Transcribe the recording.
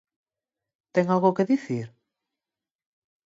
¿Ten algo que dicir?